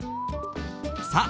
さあ